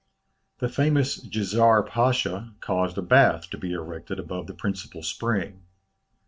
"The famous Djezar Pasha caused a bath to be erected above the principal spring.